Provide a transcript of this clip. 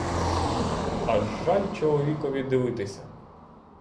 Аж жаль чоловікові дивитися!